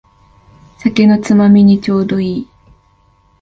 酒のつまみにちょうどいい